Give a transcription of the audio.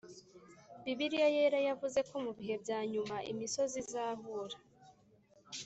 bibiliya yera yavuze ko mu bihe bya nyuma imisozi izahura